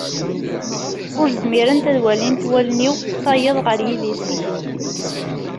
Ur zmirent ad walint wallen-iw tayeḍ ɣer yidis-ik.